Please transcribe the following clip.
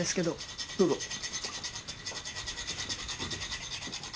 どうぞ。